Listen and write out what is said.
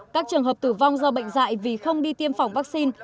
các trường hợp tử vong do bệnh dạy vì không đi tiêm phòng vaccine